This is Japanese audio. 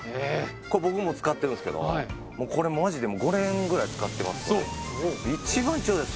これ僕も使ってるんすけどこれもマジで５年ぐらい使ってますウソ！？